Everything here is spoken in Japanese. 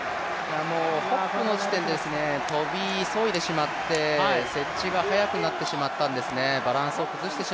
ホップの時点で跳び急いでしまって接地が早くなってしまったんですね。